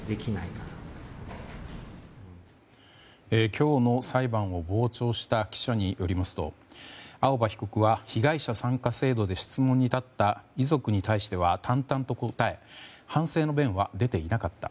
今日の裁判を傍聴した記者によりますと青葉被告は被害者参加制度で質問に立った遺族に対しては淡々と答え反省の弁は出ていなかった。